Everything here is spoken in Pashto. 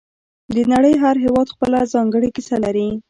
د نړۍ هر هېواد خپله ځانګړې کیسه لري